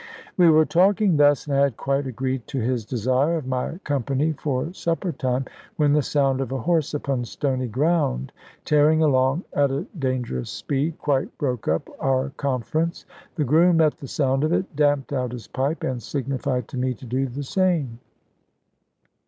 We were talking thus, and I had quite agreed to his desire of my company for supper time, when the sound of a horse upon stony ground, tearing along at a dangerous speed, quite broke up our conference. The groom, at the sound of it, damped out his pipe, and signified to me to do the same.